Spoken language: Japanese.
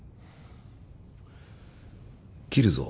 切るぞ。